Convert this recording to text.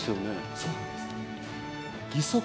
そうなんです。